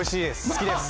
好きです。